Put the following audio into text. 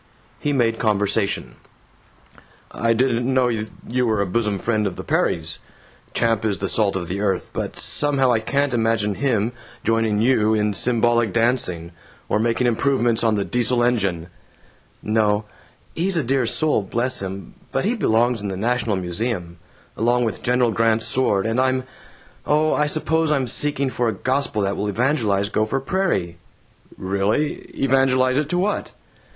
He made conversation: "I didn't know you were a bosom friend of the Perrys. Champ is the salt of the earth but somehow I can't imagine him joining you in symbolic dancing, or making improvements on the Diesel engine." "No. He's a dear soul, bless him, but he belongs in the National Museum, along with General Grant's sword, and I'm Oh, I suppose I'm seeking for a gospel that will evangelize Gopher Prairie." "Really? Evangelize it to what?"